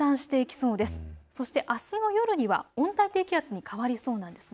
そしてあすの夜には温帯低気圧に変わりそうです。